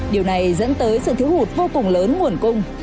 điều này dẫn tới sự thiếu hụt vô cùng lớn nguồn cung